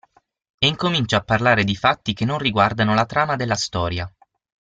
E incomincia a parlare di fatti che non riguardano la trama della storia.